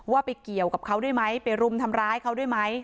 ว่าไปเกี่ยวกับเขาด้วยไหมไปรุมทำร้ายเขาด้วยไหม